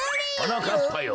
はなかっぱよ